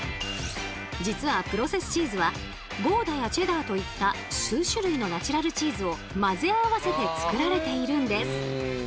実はプロセスチーズはゴーダやチェダーといった数種類のナチュラルチーズを混ぜ合わせて作られているんです。